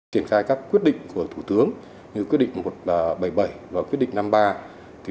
kiểm tra các quyết định của thủ tướng như quyết định một